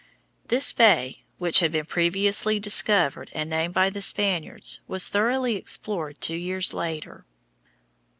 This bay, which had been previously discovered and named by the Spaniards, was thoroughly explored two years later.